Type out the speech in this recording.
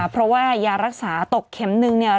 เพราะว่ายารักษาตกเข็มหนึ่ง